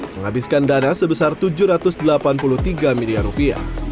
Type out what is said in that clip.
menghabiskan dana sebesar tujuh ratus delapan puluh tiga miliar rupiah